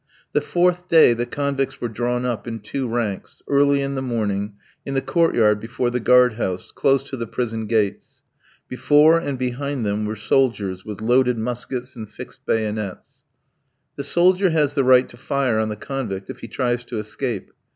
The fourth day, the convicts were drawn up in two ranks, early in the morning, in the court yard before the guard house, close to the prison gates. Before and behind them were soldiers with loaded muskets and fixed bayonets. The soldier has the right to fire on the convict if he tries to escape.